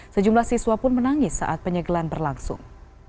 sejumlah siswa pun menangis saat penyegelan berlangsung